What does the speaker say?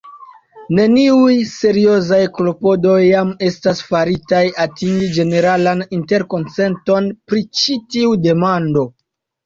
Neniuj seriozaj klopodoj jam estas faritaj atingi ĝeneralan interkonsenton pri ĉi tiu demando.